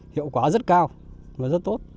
hiệu quả rất cao và rất tốt